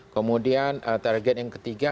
kemudian target yang ketiga